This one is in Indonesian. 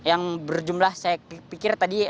yang berjumlah saya pikir tadi